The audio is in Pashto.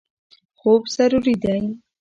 خوب ضروري دی.